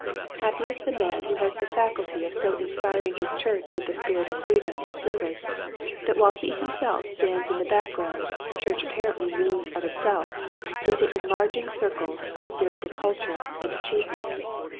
Happy is the man who has Autocracy. 123 the faculty of so inspiring his church with the spirit of freedom and service that while he himself stands in the background the church apparently moves of itself into en larging circles of spiritual culture and achievement.